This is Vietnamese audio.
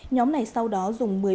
nhóm này sau đó dùng